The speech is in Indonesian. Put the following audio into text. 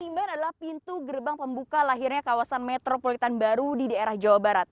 timber adalah pintu gerbang pembuka lahirnya kawasan metropolitan baru di daerah jawa barat